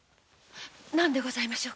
何でございましょう？